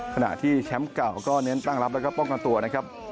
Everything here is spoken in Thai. ขณะที่แชมป์เก่าก็เน้นตั้งรับแล้วก็ป้องกันตัวนะครับ